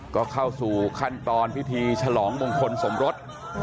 ก็เข้าสู่ขั้นตอนพิธีฉลองมงคลสมรส